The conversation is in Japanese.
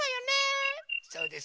そうですね。